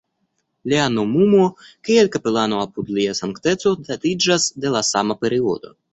Lia nomumo kiel kapelano apud Lia Sankteco datiĝas de la sama periodo.